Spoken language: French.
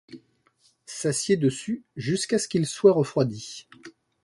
S'assied dessus jusqu'à ce qu'il soit refroidi ;